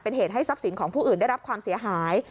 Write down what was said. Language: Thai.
เป็นเหตุให้ทรัพย์สินของผู้อื่นได้รับความเสียหาย